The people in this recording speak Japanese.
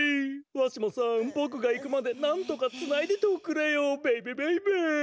わしもさんぼくが行くまでなんとかつないでておくれよ。ベイべベイベー。